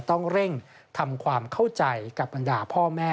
ต้องเร่งทำความเข้าใจกับบรรดาพ่อแม่